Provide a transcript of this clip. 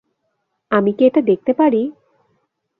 আমি কি এটা দেখতে পারি?